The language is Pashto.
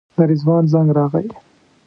د رضوان زنګ راغی.